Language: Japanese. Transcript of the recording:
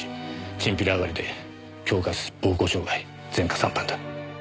チンピラ上がりで恐喝暴行傷害前科３犯だ。